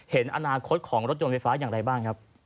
เห็นอนาคตของรถยนต์ไฟฟ้าอย่างไรบ้างครับ